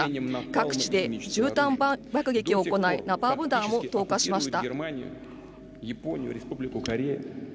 各地で、じゅうたん爆撃を行いナパーム弾を投下しました。